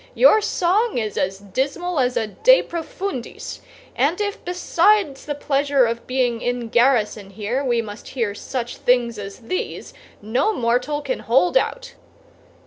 Your song is as dismal as a 'De profundis'; and if besides the pleasure of being in garrison here, we must hear such things as these, no mortal can hold out."